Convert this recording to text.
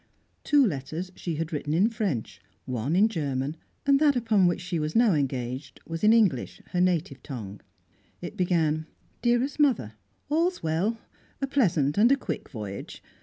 Two letters she had written in French, one in German, and that upon which she was now engaged was in English, her native tongue; it began "Dearest Mother." "All's well. A pleasant and a quick voyage.